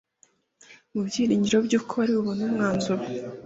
Mu byiringiro yuko bari bubone umwanzuro,